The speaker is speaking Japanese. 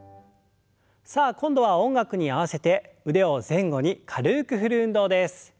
さあ今度は音楽に合わせて腕を前後に軽く振る運動です。